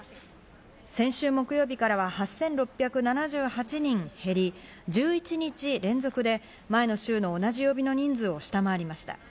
先週木曜日からは８６７８人減り、１１日連続で前の週の同じ曜日の人数を下回りました。